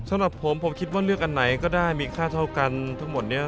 สำหรับผมผมคิดว่าเลือกอันไหนก็ได้มีค่าเท่ากันทั้งหมดนี้